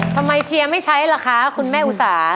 เชียร์ไม่ใช้ล่ะคะคุณแม่อุสา